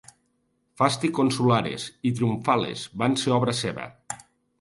"Fasti Consulares" i "Triumphales" van ser obra seva.